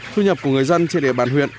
thu nhập của người dân trên địa bàn huyện